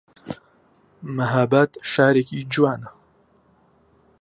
مەهاباد شارێکی جوانە